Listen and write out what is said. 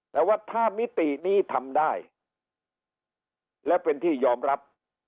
แต่ว่าถ้ามิตินี้ทำได้และเป็นที่ยอมรับ